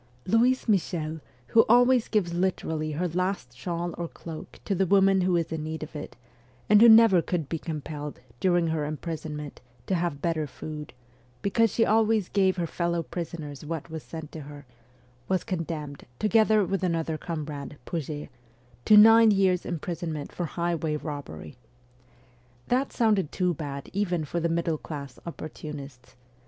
Louise Michel, who always gives literally her last shawl or cloak to the woman who is in need of it, and who never could be compelled, during her im prisonment, to have better food, because she always gave her fellow prisoners what was sent to her, was condemned, together with another comrade, Pouget, to nine years' imprisonment for highway robbery ! That sounded too bad even for the middle class oppor tunists.